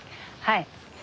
はい。